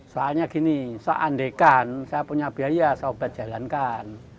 soalnya gini seandaikan saya punya biaya saya obat jalankan